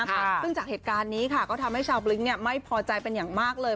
ซึ่งจากเหตุการณ์นี้ค่ะก็ทำให้ชาวบลิ้งไม่พอใจเป็นอย่างมากเลย